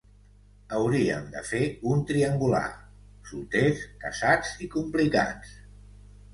Hauríem de fer un triangular: solters, casats i complicats.